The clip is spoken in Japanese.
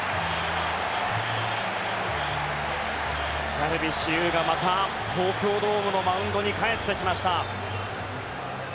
ダルビッシュ有が東京ドームのマウンドに帰ってきました。